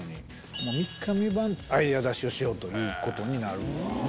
もう三日三晩、アイデア出しをしようということになるんですね。